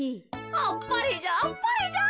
あっぱれじゃあっぱれじゃ。